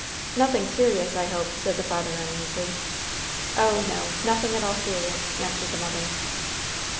"Nothing serious, I hope," said the father, uneasily. "Oh, no, nothing at all serious," answered the mother.